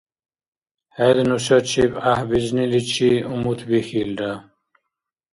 ХӀед нушачиб гӀяхӀбизниличи умутбихьилра!